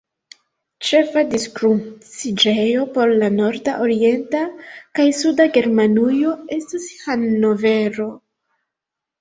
Ĉefa diskruciĝejo por la norda, orienta kaj suda Germanujo estas Hannovero.